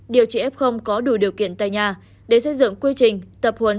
điều trị f có đủ điều kiện tại nhà để xây dựng quy trình tập huấn